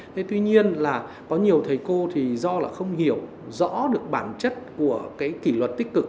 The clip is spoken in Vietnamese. thế tuy nhiên là có nhiều thầy cô thì do là không hiểu rõ được bản chất của cái kỷ luật tích cực